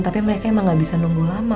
tapi mereka emang gak bisa nunggu lama